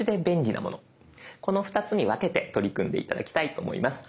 この２つに分けて取り組んで頂きたいと思います。